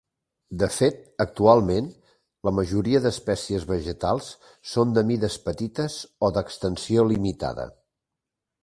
De fet, actualment, la majoria d'espècies vegetals són de mides petites o d'extensió limitada.